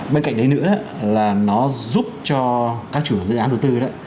bên cạnh đấy nữa là nó giúp cho các chủ dự án đầu tư đấy